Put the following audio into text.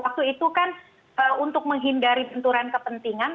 waktu itu kan untuk menghindari benturan kepentingan